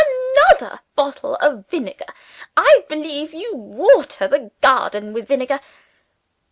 "Another bottle of vinegar? I believe you water the garden with vinegar!